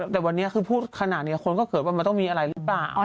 แต่วันนี้คือพูดขนาดนี้คนก็เกิดว่ามันต้องมีอะไรหรือเปล่า